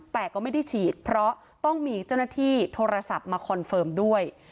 แต่ก็ไม่ได้ฉีดเพราะต้องมีเจ้าหน้าที่โทรศัพท์มาคอนเฟิร์มด้วย